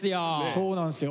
そうなんすよ。